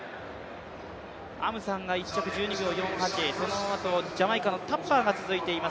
アムサンが１着１２秒４８、そのあとジャマイカのタッパーが続いています。